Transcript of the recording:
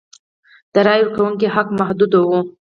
د رایې ورکونې حق محدود و.